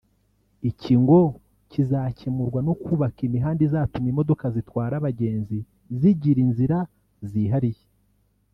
Iki ngo kizakemurwa no kubaka imihanda izatuma imodoka zitwara abagenzi zigira inzira zihariye